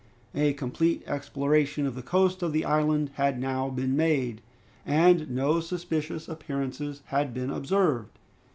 A complete exploration of the coast of the island had now been made, and no suspicious appearances had been observed.